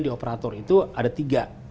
di operator itu ada tiga